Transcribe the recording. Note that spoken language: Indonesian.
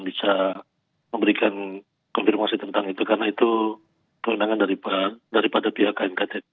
bisa memberikan konfirmasi tentang itu karena itu kewenangan daripada pihak knkt